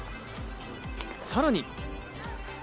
さらに。